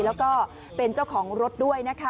แล้วก็เป็นเจ้าของรถด้วยนะคะ